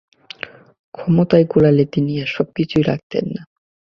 ক্ষমতায় কুলালে তিনি এ- সব কিছুই রাখতেন না।